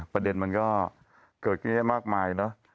ประเด็นมันก็เกิดแค่มากมายเนอะ